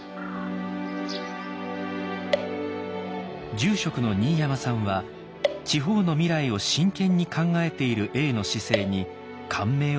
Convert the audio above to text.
住職の新山さんは地方の未来を真剣に考えている永の姿勢に感銘を受けたと言います。